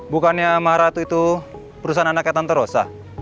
bukannya marath itu perusahaan anaknya tante rosa